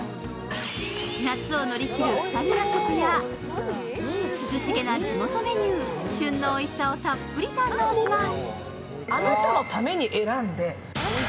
夏を乗り切るスタミナ食や涼しげな地元メニュー、旬のおいしさをたっぷり堪能します。